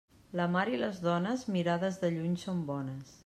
La mar i les dones mirades de lluny són bones.